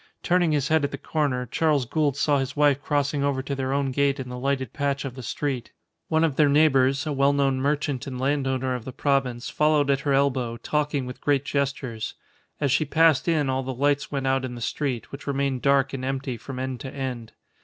Turning his head at the corner, Charles Gould saw his wife crossing over to their own gate in the lighted patch of the street. One of their neighbours, a well known merchant and landowner of the province, followed at her elbow, talking with great gestures. As she passed in all the lights went out in the street, which remained dark and empty from end to end.